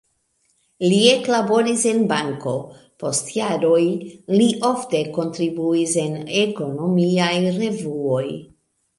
Li eklaboris en banko, post jaroj li ofte kontribuis en ekonomiaj revuoj.